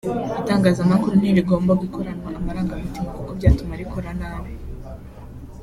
Itangazamakuru ntirigomba gukoranwa amarangamutima kuko byatuma rikora nabi